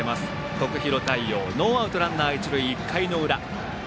徳弘太陽ノーアウト、ランナー、一塁１回の裏。